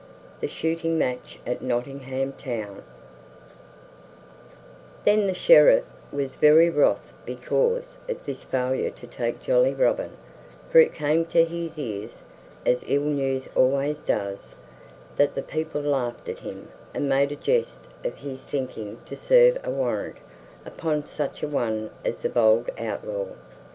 The Shooting Match at Nottingham Town THEN THE SHERIFF was very wroth because of this failure to take jolly Robin, for it came to his ears, as ill news always does, that the people laughed at him and made a jest of his thinking to serve a warrant upon such a one as the bold outlaw.